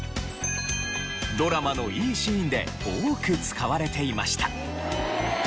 ドラマのいいシーンで多く使われていました。